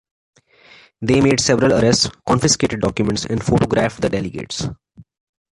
They made several arrests, confiscated documents and photographed the delegates.